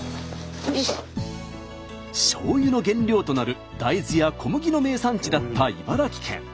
しょうゆの原料となる大豆や小麦の名産地だった茨城県。